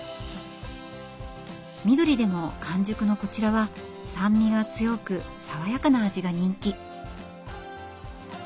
緑でも完熟のこちらは酸味が強く爽やかな味が人気。